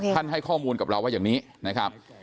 ให้ข้อมูลกับเราว่าอย่างนี้นะครับ